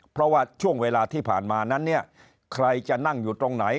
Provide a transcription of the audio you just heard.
เพราะว่าช่วงเวลาที่ผ่านมานั้นเนี่ยใครจะนั่งอยู่ตรงไหน